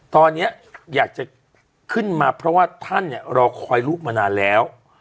ตอนนี้อยากจะขึ้นมาเพราะว่าท่านเนี่ยรอคอยลูกมานานแล้ว